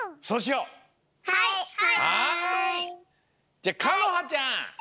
じゃあかのはちゃん！